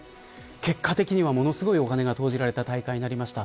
結果的には、ものすごいお金が投じられた大会になりました。